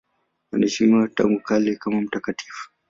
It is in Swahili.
Anaheshimiwa tangu kale kama mtakatifu.